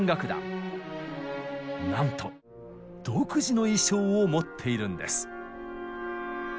なんと独自の衣装を持っているんです。